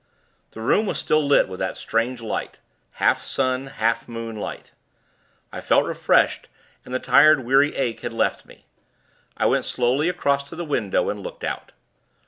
The room was still lit with that strange light half sun, half moon, light. I felt refreshed, and the tired, weary ache had left me. I went slowly across to the window, and looked out.